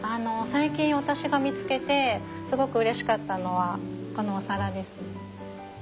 最近私が見つけてすごくうれしかったのはこのお皿です。